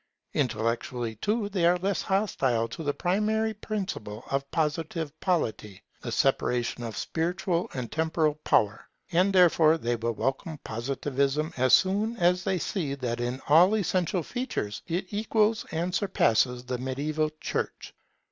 Intellectually, too, they are less hostile to the primary principle of Positive Polity; the separation of spiritual and temporal power. And therefore they will welcome Positivism as soon as they see that in all essential features it equals and surpasses the mediaeval church.